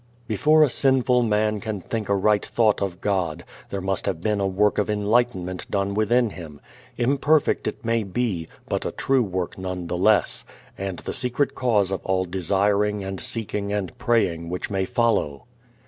Before a sinful man can think a right thought of God, there must have been a work of enlightenment done within him; imperfect it may be, but a true work nonetheless, and the secret cause of all desiring and seeking and praying which may follow.